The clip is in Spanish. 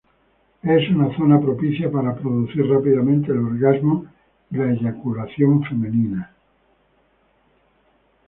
Es una zona propicia para producir rápidamente el orgasmo y la eyaculación femenina.